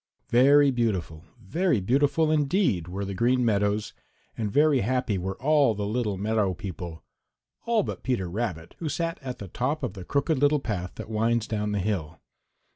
Very beautiful, very beautiful indeed, were the Green Meadows, and very happy were all the little meadow people all but Peter Rabbit, who sat at the top of the Crooked Little Path that winds down the hill.